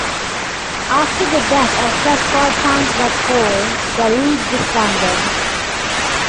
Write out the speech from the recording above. After the death of Prescott Farnsworth Hall, the League disbanded.